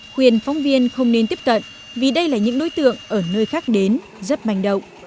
khuyên phóng viên không nên tiếp cận vì đây là những đối tượng ở nơi khác đến rất manh động